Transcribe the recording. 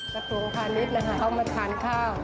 กระทรวงพาณิชย์นะคะเขามาทานข้าว